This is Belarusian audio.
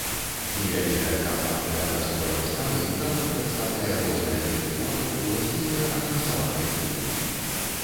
Невялікая кампактная прастора выставы ўдала прадстаўляе розныя тыпы твораў, уласцівыя анансаванай плыні.